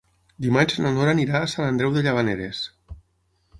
Dimarts na Nora anirà a Sant Andreu de Llavaneres.